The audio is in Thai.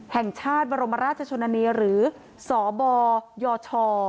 แห่งชาติบรมราชชนนานีหรือสบยช